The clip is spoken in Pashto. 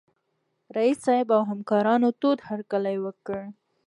رييس صاحب او همکارانو تود هرکلی وکړ.